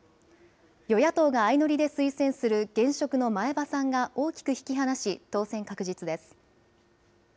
与野党が相乗りで推薦する現職の前葉さんが大きく引き離し当選確実です。